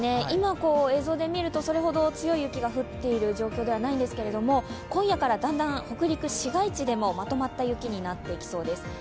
今、映像で見ると、それほど強い雪が降っている状況ではないんですが、今夜からだんだん北陸市街地でもまとまった雪になっていきそうです。